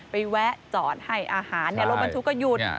แวะจอดให้อาหารรถบรรทุกก็หยุด